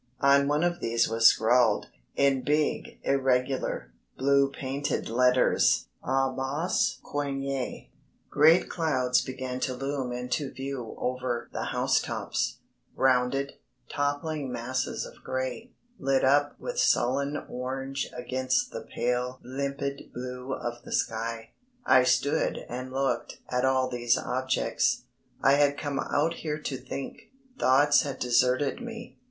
On one of these was scrawled, in big, irregular, blue painted letters: "A bas Coignet." Great clouds began to loom into view over the house tops, rounded, toppling masses of grey, lit up with sullen orange against the pale limpid blue of the sky. I stood and looked at all these objects. I had come out here to think thoughts had deserted me.